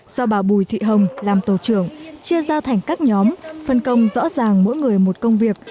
do bà bùi thị hồng làm tổ trưởng chia ra thành các nhóm phân công rõ ràng mỗi người một công việc